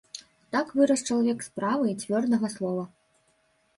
Так вырас чалавек справы і цвёрдага слова.